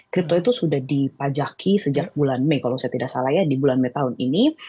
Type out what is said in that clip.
kripto itu sudah dipajaki sejak bulan mei kalau saya tidak salah ya di bulan mei tahun ini